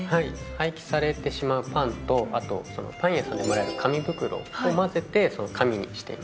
廃棄されてしまうパンとパン屋さんでもらえる紙袋を混ぜて紙にしています。